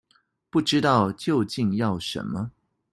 不知道究竟要什麼